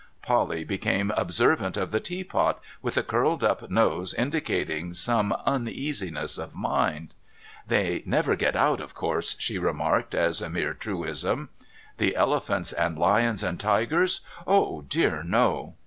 Polly became observant of the teapot, with a curled up nose indicating some uneasiness of mind. * They never get out, of course,' she remarked as a mere truism. ' The elephants and lions and tigers ? Oh, dear no